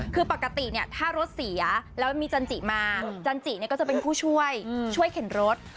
คือปกติเนี่ยถ้ารถเสียแล้วมีจันจิมาจันจิก็จะเป็นผู้ช่วยช่วยเข็นรถ